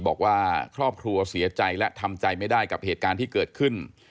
บอกว่าครอบครัวเสียใจและทำใจไม่ได้กับเหตุการณ์ที่เกิดขึ้น